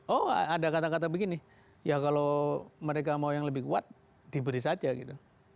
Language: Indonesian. oh ada kata kata begini ya kalau mereka mau yang lebih kuat diberi saja gitu